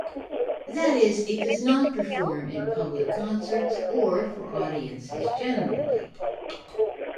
That is, it does not perform in public concerts or for audiences generally.